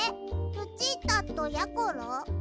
ルチータとやころ？